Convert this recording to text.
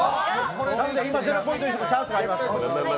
今、ゼロポイントの人もチャンスがあります。